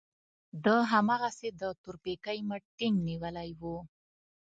ده هماغسې د تورپيکۍ مټ ټينګ نيولی و.